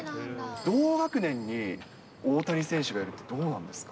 同学年に大谷選手がいるって、どうなんですか。